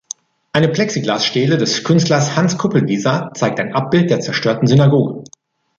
Eine Plexiglas-Stele des Künstlers Hans Kupelwieser zeigt ein Abbild der zerstörten Synagoge.